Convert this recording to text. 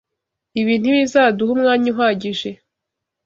Ibi ntibizaduha umwanya uhagije.